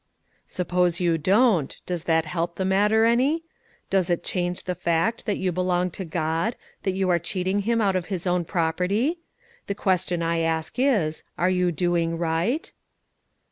"Suppose you don't, does that help the matter any? Does it change the fact that you belong to God; that you are cheating Him out of His own property? The question I ask is, Are you doing right?"